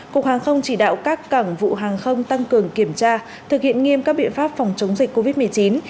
cục hàng không chỉ đạo các cảng vụ hàng không tăng cường kiểm tra thực hiện nghiêm các biện pháp phòng chống dịch covid một mươi chín